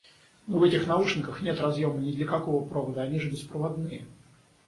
Но в этих наушниках нет разъёма ни для какого провода, они же беспроводные!